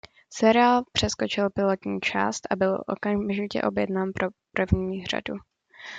Seriál přeskočil pilotní část a byl okamžitě objednán pro první řadu.